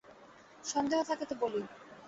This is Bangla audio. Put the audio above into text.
সন্দেহ থাকে তো বলিও।